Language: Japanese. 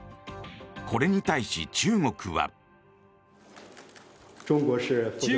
これに対し、中国は。